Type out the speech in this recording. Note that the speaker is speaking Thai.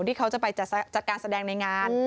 ที่เขาจะไปจัดการแสดงในงาน